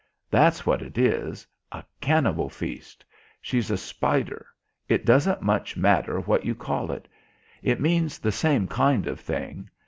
That's what it is a cannibal feast. She's a spider. It does't much matter what you call it. It means the same kind of thing.